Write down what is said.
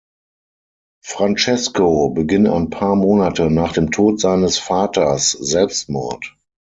Francesco beging ein paar Monate nach dem Tod seines Vaters Selbstmord.